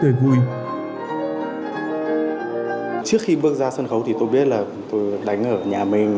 thì tôi biết là tôi đánh ở nhà mình